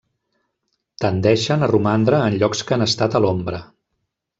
Tendeixen a romandre en llocs que han estat a l'ombra.